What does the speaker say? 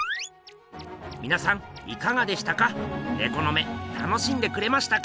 みなさんいかがでしたか？